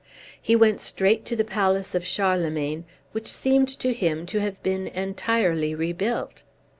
He went straight to the palace of Charlemagne, which seemed to him to have been entirely rebuilt.